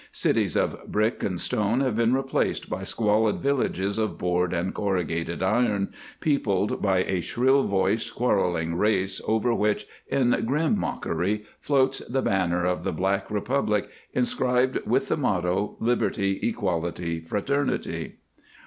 Cities of brick and stone have been replaced by squalid villages of board and corrugated iron, peopled by a shrill voiced, quarreling race over which, in grim mockery, floats the banner of the Black Republic inscribed with the motto, "Liberty, Equality, Fraternity."